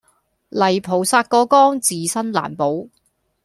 泥菩薩過江自身難保